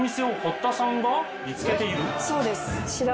そうです。